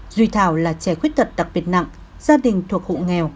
duy thảo là trẻ khuyết tật đặc biệt nặng gia đình thuộc hộ nghèo